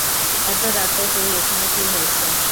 এতো রাতে তুই এখানে কি হয়েছে?